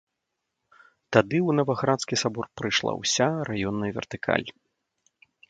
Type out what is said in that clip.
Тады ў наваградскі сабор прыйшла ўся раённая вертыкаль.